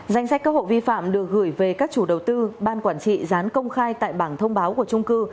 danh sách cơ hội vi phạm được gửi về các chủ đầu tư ban quản trị rán công khai tại bảng thông báo của trung cư